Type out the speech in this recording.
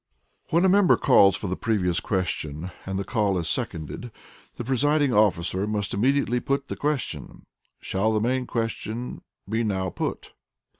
When a member calls for the previous question, and the call is seconded, the presiding officer must immediately put the question: "Shall the main question be now put?"